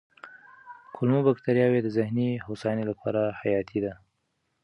کولمو بکتریاوې د ذهني هوساینې لپاره حیاتي دي.